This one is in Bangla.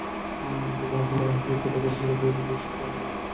প্রাণের সমারোহে সেই ছোট্ট অপরিসর ভূদৃশ্যেই যেন বসেছে মানুষের বৃহত্তম হাটবাজার।